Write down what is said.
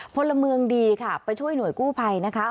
พลเมืองดีค่ะไปช่วยหน่วยกู้ภัยนะคะ